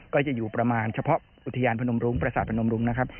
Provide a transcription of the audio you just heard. ก็จะอยู่ประมาณเฉพาะอุทยานพนมรุ้งประสาทพนมรุงนะครับ